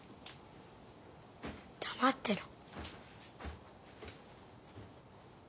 黙ってろ。